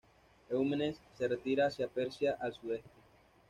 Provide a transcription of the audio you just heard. Eumenes se retira hacia Persia, al sudeste.